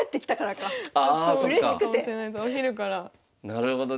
なるほどね。